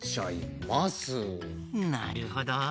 なるほど。